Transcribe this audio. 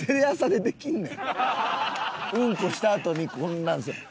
うんこしたあとにこんなのする。